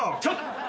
ちょっと！